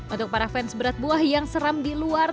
untuk para fans berat buah yang seram di luar